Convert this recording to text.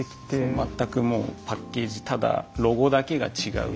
全くもうパッケージただロゴだけが違うっていう状況に。